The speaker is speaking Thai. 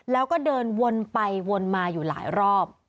แล้วก็เดินวนไปวนมาอยู่หลายรอบ